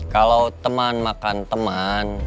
kalo teman makan teman